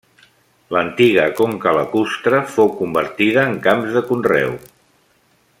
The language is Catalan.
L'antiga conca lacustre fou convertida en camps de conreu.